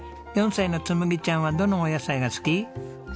４歳の紬ちゃんはどのお野菜が好き？